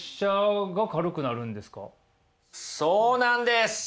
そうなんです！